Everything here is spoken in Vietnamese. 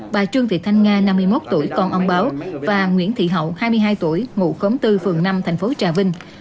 bà trương thị thanh nga năm mươi một tuổi con ông báo và nguyễn thị hậu hai mươi hai tuổi ngụ khống bốn phường năm thành phố trà vinh